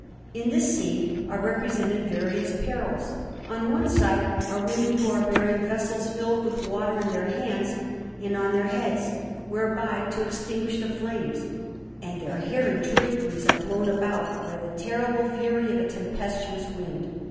In this scene are represented various perils. On one side are women who are bearing vessels filled with water in their hands and on their heads, whereby to extinguish the flames; and their hair and draperies are blown about by the terrible fury of a tempestuous wind.